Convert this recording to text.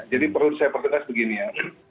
jadi perlu saya pertengahkan begini ya